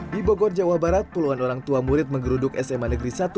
di bogor jawa barat puluhan orang tua murid menggeruduk sma negeri satu